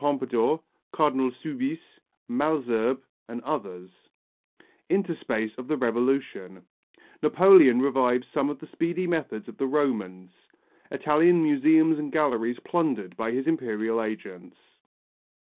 Pompadour, Cardinal Soubise, Malesherbes and others Interspace of the Revolution Napoleon revives some of the speedy methods of the Romans Italian museums and galleries plundered by his Imperial agents.